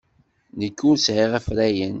Nekk ur sɛiɣ afrayen.